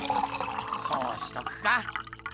そうしとくか。